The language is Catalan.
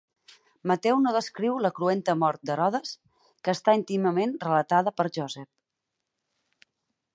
Mateu no descriu la cruenta mort d"Herodes, que està íntimament relatada per Joseph.